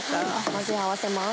混ぜ合わせます。